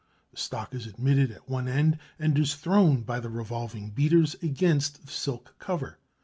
The stock is admitted at one end and is thrown by the revolving beaters against the silk cover.